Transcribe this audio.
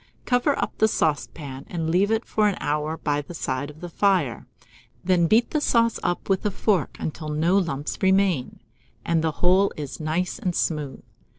Cover up the saucepan, and leave it for an hour by the side of the fire; then beat the sauce up with a fork until no lumps remain, and the whole is nice and smooth.